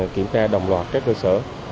kiểm tra đồng loạt các cơ sở